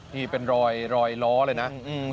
นี่เป็นรอยล้อเลยนะ